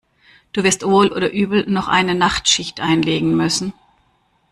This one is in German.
Du wirst wohl oder übel noch eine Nachtschicht einlegen müssen.